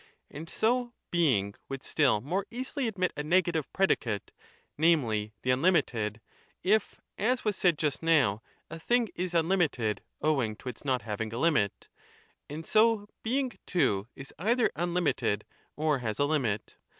And so Being would still more easily admit a negative predicate, namely, the unlimited, if, as was said just now, 4 a thing is unlimited owing to its not having a limit ; 5 and so Being too is either unlimited or 35 has a limit.